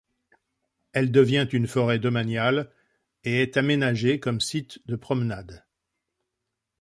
Elle devient une forêt domaniale et est aménagée comme site de promenade.